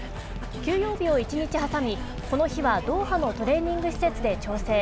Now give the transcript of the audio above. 休養日を１日挟み、この日はドーハのトレーニング施設で調整。